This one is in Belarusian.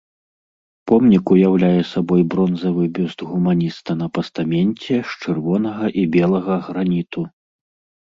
Помнік уяўляе сабой бронзавы бюст гуманіста на пастаменце з чырвонага і белага граніту.